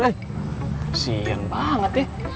eh kasihan banget ya